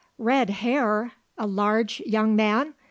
"Red hair? A large young man?